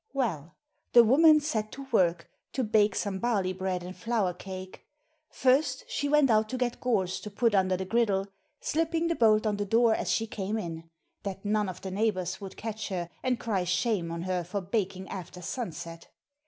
Well, the woman set to work to bake some barley bread and flour cake. First, she went out to get gorse to put under the griddle, slipping the bolt on the door as she came in, that none of the neighbours would catch her and cry shame on her for baking after sunset.